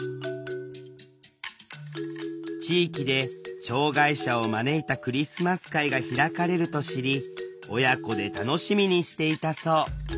地域で障害者を招いたクリスマス会が開かれると知り親子で楽しみにしていたそう。